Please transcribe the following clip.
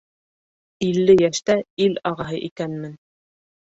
Илле йәштә ил ағаһы икәнмен